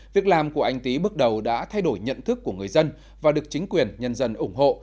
việc làm của anh tý bước đầu đã thay đổi nhận thức của người dân và được chính quyền nhân dân ủng hộ